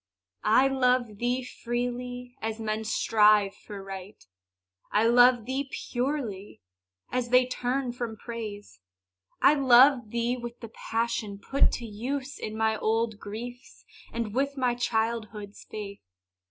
I love thee freely, as men strive for Right; I love thee purely, as they turn from Praise. I love thee with the passion put to use In my old griefs, and with my childhood's faith.